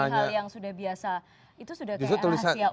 tapi itu jadi hal yang sudah biasa itu sudah kayak rahasia umum gitu